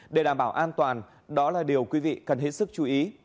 để đảm bảo an toàn đó là điều quý vị cần hết sức chú ý